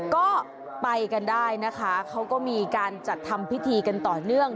ก็ไปกันได้นะคะเขาก็มีการจัดทำพิธีกันต่อเนื่อง